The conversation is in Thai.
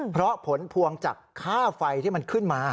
เพราะผลพวงจากค่าไฟที่มันขึ้นมา